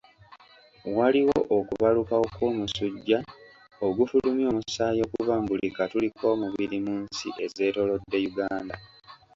Waliwo okubalukawo kw'omusujja ogufulumya omusaayi okuva mu buli katuli k'omubiri mu nsi ezetoolodde Uganda.